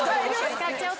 使っちゃおう。